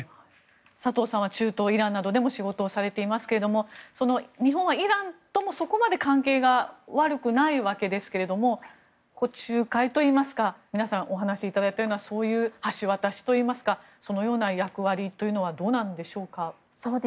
佐藤さんは中東イランなどでも仕事をされていますが日本はイランともそこまで関係が悪くないわけですが仲介といいますか皆さんお話しいただいたようなそういう橋渡しといいますかそのような役割というのはどうなんでしょうか。